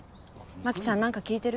牧ちゃん何か聞いてる？